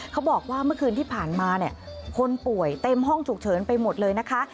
เขาบอกว่าเมื่อคืนที่ผ่านมาเนี่ยคนป่วยเต็มห้องฉุกเฉินไปหมดเลยนะคะ